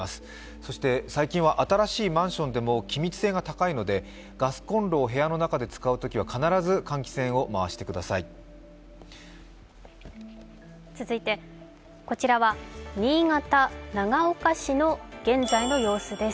そして最近は新しいマンションでも気密性が高いのでガスコンロを部屋の中で使う場合は必ず換気扇を回して使用してくこちらは新潟長岡市の現在の様子です。